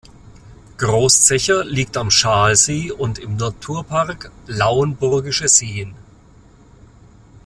Groß Zecher liegt am Schaalsee und im Naturpark Lauenburgische Seen.